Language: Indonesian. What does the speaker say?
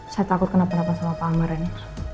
saya takut kenapa napa sama pak amar rena